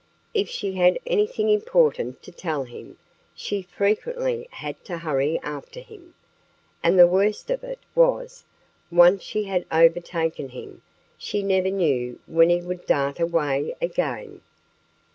If she had anything important to tell him she frequently had to hurry after him. And the worst of it was, once she had overtaken him she never knew when he would dart away again.